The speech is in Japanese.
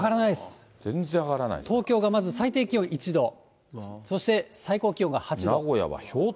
東京がまず最低気温１度、そして最高気温が８度。